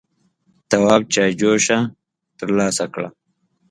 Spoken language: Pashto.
تواب چايجوشه تر لاسه کړه.